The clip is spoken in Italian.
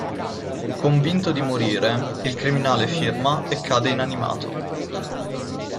Convinto di morire, il criminale firma e cade inanimato.